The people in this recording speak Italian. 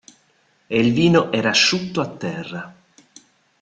E il vino era asciutto a terra.